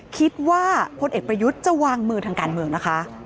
พลเอกประยุทธ์จะวางมือทางการเมืองนะคะ